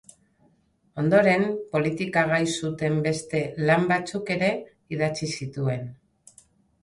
Ondoren, politika gai zuten beste lan batzuk ere idatzi zituen.